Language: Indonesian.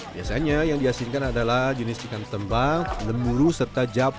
biasanya yang diasinkan adalah jenis ikan tembang lemuru serta japu